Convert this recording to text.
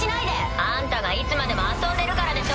あんたがいつまでも遊んでるからでしょ。